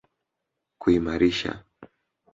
kuimarisha